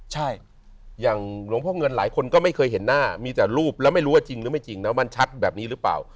ใช่อย่างหลวงพ่อเงินหลายคนก็ไม่เคยเห็นหน้ามีแต่รูปแล้วไม่รู้ว่าจริงหรือไม่จริงนะมันชัดแบบนี้หรือเปล่า